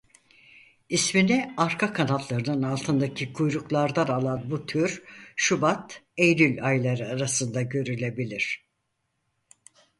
İsmini arka kanatlarının altındaki kuyruklardan alan bu tür Şubat-Eylül ayları arasında görülebilir.